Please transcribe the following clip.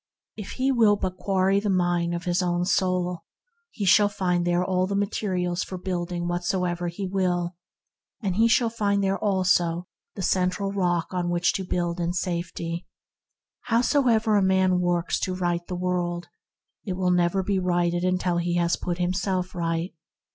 If he will but quarry the mine of his own soul, he shall find there all the materials for building whatsoever he will, and he shall find there also the central Rock on which to build in safety. Howsoever a man works to right the world, it will never be righted until he has put himself right.